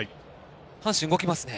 阪神、動きますね。